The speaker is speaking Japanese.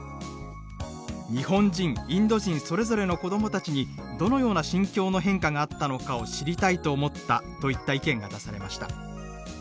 「日本人インド人それぞれの子供たちにどのような心境の変化があったのかを知りたいと思った」といった意見が出されました。